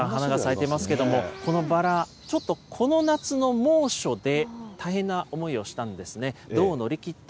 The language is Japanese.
たくさん花が咲いていますけれども、このバラ、ちょっとこの夏の猛暑で、大変な思いをしたんですね。